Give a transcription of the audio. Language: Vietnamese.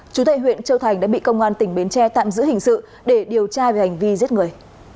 chú tại huyện châu thành đã bị công an tỉnh bến tre tạm giữ hình sự để điều tra về hành vi giết người